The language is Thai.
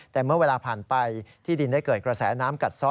แต่เมื่อเวลาผ่านไปที่ดินได้เกิดกระแสน้ำกัดซ้อ